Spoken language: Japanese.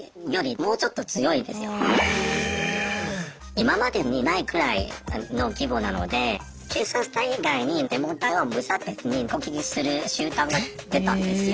今までにないくらいの規模なので警察隊以外にデモ隊を無差別に攻撃する集団が出たんですよ。